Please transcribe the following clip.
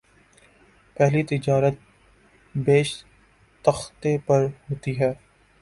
پہلی تجارت بیشتختے پر ہوتی ہے